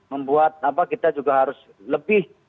membuat kita juga harus lebih